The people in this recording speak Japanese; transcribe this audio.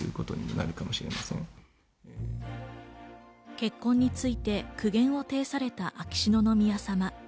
結婚について苦言を呈された秋篠宮さま。